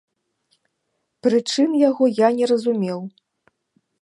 Прычын яго я не разумеў.